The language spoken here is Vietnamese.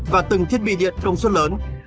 và từng thiết bị điện công suất lớn